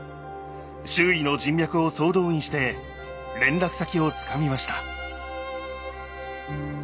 周囲の人脈を総動員して連絡先をつかみました。